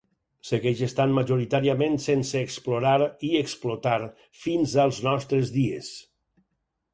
Segueix estant majoritàriament sense explorar i explotar fins als nostres dies.